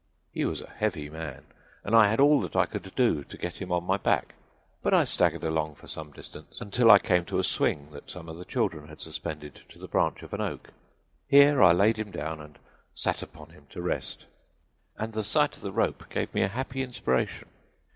He was a heavy man and I had all that I could do to get him on my back, but I staggered along for some distance until I came to a swing that some of the children had suspended to the branch of an oak. Here I laid him down and sat upon him to rest, and the sight of the rope gave me a happy inspiration.